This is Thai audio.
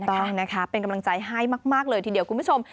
ต้องนะคะเป็นกำลังใจให้มากเลยทีเดียวคุณผู้ชม